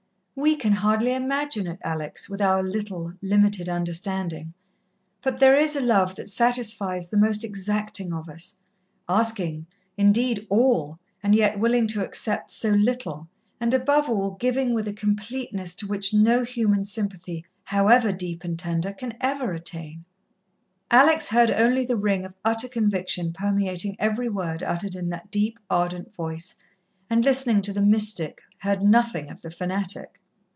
"We can hardly imagine it, Alex, with our little, limited understanding, but there is a love that satisfies the most exacting of us asking, indeed all, and yet willing to accept so little, and, above all, giving with a completeness to which no human sympathy, however deep and tender, can ever attain." Alex heard only the ring of utter conviction permeating every word uttered in that deep, ardent voice, and listening to the mystic, heard nothing of the fanatic.